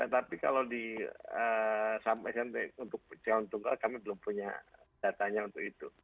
tapi kalau di smp untuk calon tunggal kami belum punya datanya untuk itu